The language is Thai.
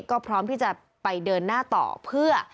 ก็พร้อมที่จะไปเดินหน้าต่อเพื่อ